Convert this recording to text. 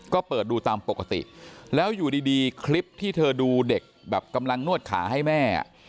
ก็เปิดดูตามปกติแล้วอยู่ดีคลิปที่เธอดูเด็กแบบกำลังนวดขาให้แม่